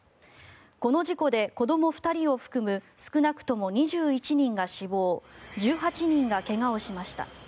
この事故で子ども２人を含む少なくとも２１人が死亡１８人が怪我をしました。